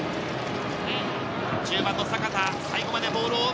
１０番の阪田、最後までボールを追う。